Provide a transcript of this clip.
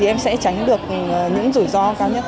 thì em sẽ tránh được những rủi ro cao nhất